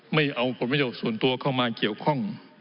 ไม่เอาผลประโยชน์ส่วนตัวเข้ามาเกี่ยวข้อง